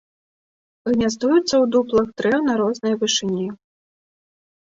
Гняздуецца ў дуплах дрэў на рознай вышыні.